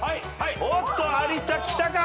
おっと有田きたか！？